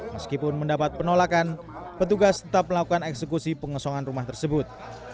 meskipun mendapat penolakan petugas tetap melakukan eksekusi pengesongan rumah tersebut